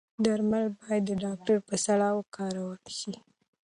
درمل باید د ډاکتر په سلا وکارول شي.